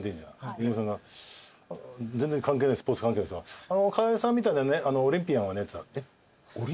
リンゴさんが全然関係ないスポーツ関係の人が「川合さんみたいなオリンピアンはね」